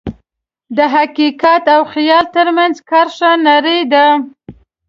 د حقیقت او خیال ترمنځ کرښه نری ده.